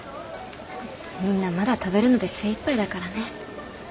みんなまだ食べるので精いっぱいだからね。